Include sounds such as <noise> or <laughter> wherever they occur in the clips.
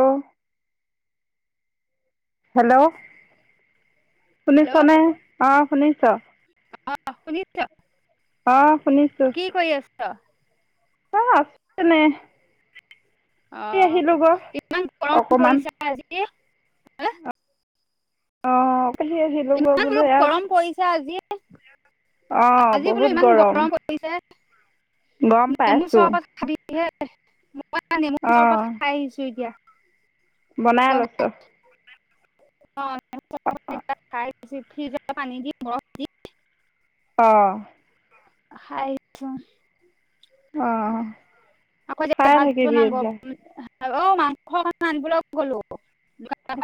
অ'। Hello? Hello শুনিছনে, অ', শুনিছ? শুনিছ অ', শুনিছোঁ। আঠা <inaudible> অ আছো এনেই। আহ ইমান গৰম অকমান। পৰিছে আজি হা আহ আহি লগৰ বোলো বলো গৰম ইয়াত পৰিছে আজি আহ আজি বোলো ইমান বহুত গৰম। পৰিছে গম নেমু পাইছো। চৰবাত খাবিহে মই নেমু অ চৰবাত খাই আহিছো এতিয়া। বনাই অ লৈছো <unintelligible> অ হয় ছ আহ আকৌ যে ভাত বন অ মাংস আনিব গ'লো।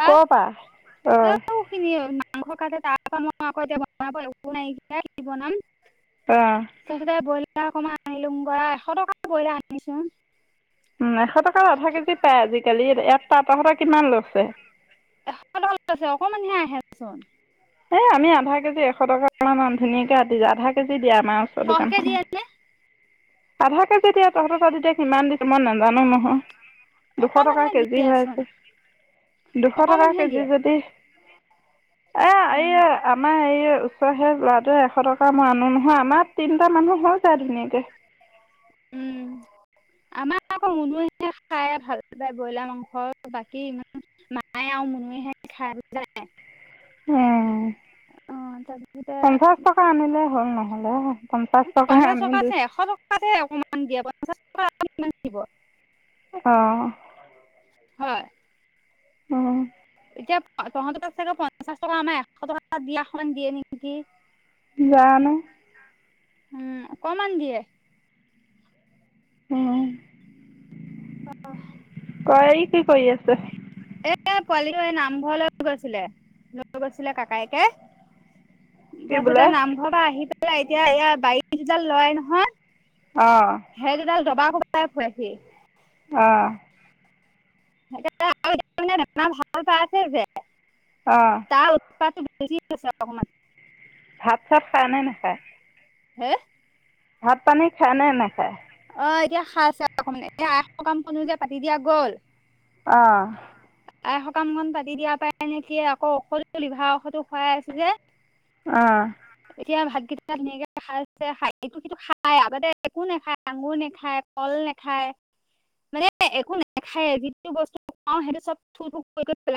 কৰ পৰা অ ত খিনি হ'ল মাংস কাটে তাৰপা মই আকৌ এতিয়া বনাব একো নাইকিয়া কি বনাম। অ তাৰপাছতে বইল অকমান আনিলোগ এশ টকা বইলা আনিছোন। উ এশ টকাৰ আধা কেজি পাই আজিকালি ইয়াত ত শ কিমান লৈছে। এশ টকা লৈছে অকমান হে আহেচোন এ আমি আধা কেজি এশ টকা মান আ ধুনীয়াকে আতি যায় আধা কেজি দিয়া আমাৰ ওচৰত সৰহকে দিয়ে নে দোকানখনত আধাৰ কাৰ্ড যেতিয়া তহতৰ সিমান দিয়ে মই নাজানো নহয়। দুশ টকা অকমানহে কেজি হৈ দিয়েচোন আছে, দুশ টকা অকমানহে কেজি দিয়ে যদি এ এই আমাৰ এই ওচৰ সেই ল'ৰাটোৱে এশ টকা মই আনো নহয়, আমাৰ তিননিটা মানুহ হৈ যায় ধুনীয়াকে। <inaudible> উম আমাৰ আকৌ মুনুয়ে খাই ভাল পায় ব্ৰইলাৰ মাংস বাকী ইমান মায়ে আৰু মুনুহে খায় উম তাৰপিছতে পঞ্চাশ টকা আনিলে হ'ল নহলে পঞ্চাছ টকা পঞ্চাশ টকাত আনিলোঁ এশ টকাতহে অকমান দিয়ে পঞ্চাশ টকা দিব। অহঁ হয় অ এতিয়া তহতৰ চাগে পঞ্চাশ টকা আমাৰ এশ টকা দিয়াখন দিয়ে নেকি জানো উম অকমান দিয়ে। অ অহ ত কি কৰি আছে? এ পোৱালি এই নামঘৰলৈ গৈছিলে লৈ গৈছিলে ককায়েকে কি বোলে তাৰপিছতে নামঘৰ পৰা আহি পেলাই এতিয়া এয়া বাৰী দুডাল লয় নহয়। অঁ হেই দুডাল জবা কবাই খুৱাইছি অহঁ ভাল আছে যে অঁ তাৰ উপ <unintelligible> <unintelligible> ভাত চাত খাই নে নেখায় হে ভাত পানী খায় নে নাখায়। অ এতিয়া খাইছে অকমান এতিয়া আই সকাম কনো যে পাতি দিয়া গ'ল। অহ আই সকাম খন পাতি দিয়া পাই নেকি আকৌ ঔষধ লিভাৰ ঔষধো খুৱাই আছো যে অহ এতিয়া ভাতকেইটা ধুনীয়াকে খাইছে খ সটো খাই আগাতে একো নেখায়। আঙুৰ নেখায় কল নেখায়। মানে একো নাখায়ে যিটো বস্তু খাও সেইটো চব থু থু কৈ কৈ পেলাই।